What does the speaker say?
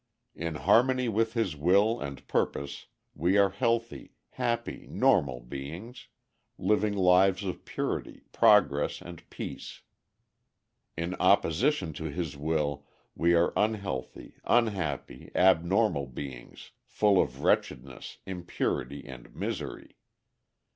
In harmony with His will and purpose we are healthy, happy, normal beings, living lives of purity, progress, and peace. In opposition to His will we are unhealthy, unhappy, abnormal beings, full of wretchedness, impurity, and misery.